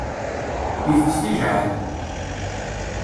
Itett tijɛal.